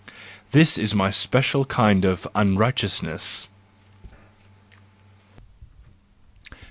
This is my special kind of unrighteousness.